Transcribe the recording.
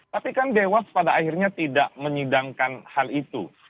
tapi kan dewas pada akhirnya tidak menyidangkan hal itu